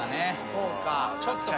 そうか。